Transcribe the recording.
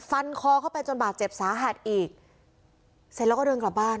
คอเข้าไปจนบาดเจ็บสาหัสอีกเสร็จแล้วก็เดินกลับบ้าน